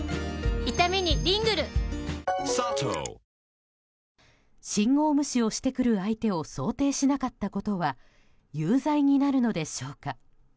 帰れば「金麦」信号無視をしてくる相手を想定しなかったことは有罪になるのでしょうか。